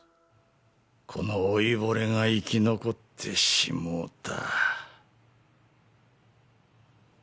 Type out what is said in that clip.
この老いぼれが生き残ってしもうた。